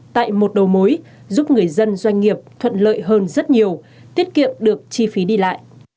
tại một đầu mối giúp người dân doanh nghiệp thuận lợi hơn rất nhiều tiết kiệm được chi phí đi lại